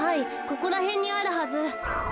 ここらへんにあるはず。